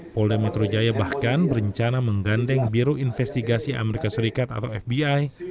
polda metro jaya bahkan berencana menggandeng biro investigasi amerika serikat atau fbi